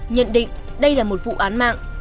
nhận định đây là một vụ án mạng